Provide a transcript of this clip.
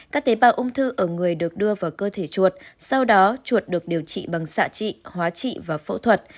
các tế bào ung thư ở người được đưa vào cơ thể chuột sau đó chuột được điều trị bằng xạ trị hóa trị và phẫu thuật